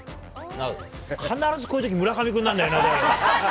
必ずこういうとき、村上君なんだよな。